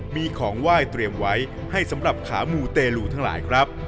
มีของไหว้เตรียมไว้ให้สำหรับขามูเตลูทั้งหลายครับ